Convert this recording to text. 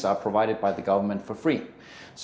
semua hal ini diberikan oleh pemerintah secara bebas